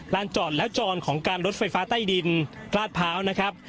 จอดและจรของการรถไฟฟ้าใต้ดินราชพร้าวนะครับ